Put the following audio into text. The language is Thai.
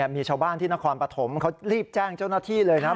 มีชาวบ้านที่นครปฐมรีบแจ้งเจ้านาธิเลยนะครับ